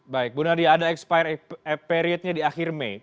baik bu nadia ada expire periodnya di akhir mei